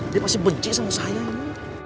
dia pasti benci sama saya